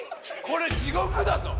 これ地獄だぞ。